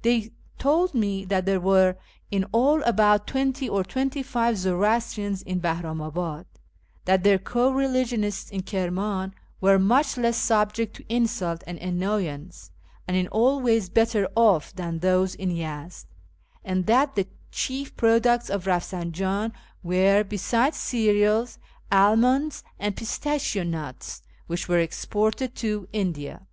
They told me that there were in idl about twenty or twenty five Zoroastrians in Bahramabad ; that their co religionists in Kirman were much less subject to insult and annoyance, and in all ways better off, than those in Yezd ; and that the chief products of Eafsinjan were, besides cereals, almonds and pistachio nuts, which were exported to India.